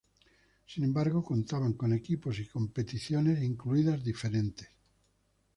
Sin embargo contaban con equipos y competiciones incluidas diferentes.